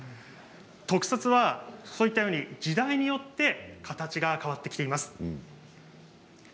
特撮も、そういったように時代によって形が変わってきています。